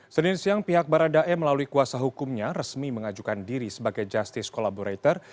senin siang pihak baradae melalui kuasa hukumnya resmi mengajukan diri sebagai justice collaborator